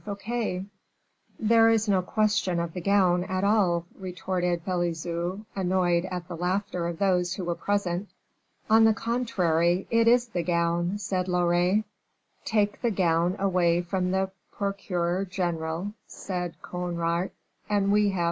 Fouquet." "There is no question of the gown at all," retorted Pelisson, annoyed at the laughter of those who were present. "On the contrary, it is the gown," said Loret. "Take the gown away from the procureur general," said Conrart, "and we have M.